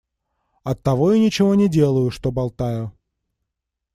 Оттого и ничего не делаю, что болтаю.